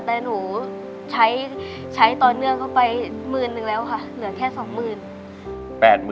แต่หนูใช้ต่อเนื่องเข้าไปหมื่นนึงแล้วค่ะเหลือแค่๒๐๐๐บาท